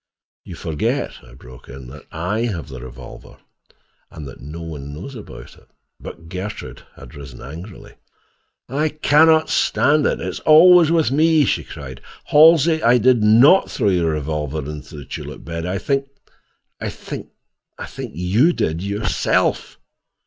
"You forget," I broke in, "that I have the revolver, and that no one knows about it." But Gertrude had risen angrily. "I can not stand it; it is always with me," she cried. "Halsey, I did not throw your revolver into the tulip bed. I—think—you—did it—yourself!"